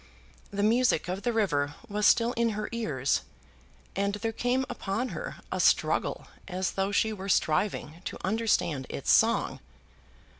The music of the river was still in her ears, and there came upon her a struggle as though she were striving to understand its song.